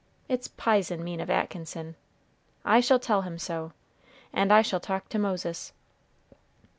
It's p'ison mean of Atkinson. I shall tell him so, and I shall talk to Moses."